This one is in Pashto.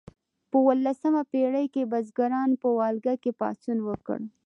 په اوولسمه پیړۍ کې بزګرانو په والګا کې پاڅون وکړ.